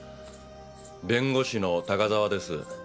弁護士の高沢です。